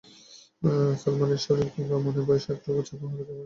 সালমানের শরীর কিংবা মনে বয়সের এতটুকু ছাপও খুঁজে পাওয়া যায় না।